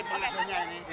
ini pengesurnya ini